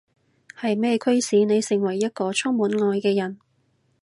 係咩驅使你成為一個充滿愛嘅人？